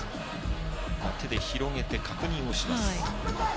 手で広げて確認をします。